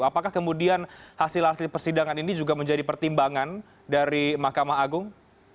apakah kemudian hasil hasil persidangan ini juga menjadi pertimbangan dari mahkamah agung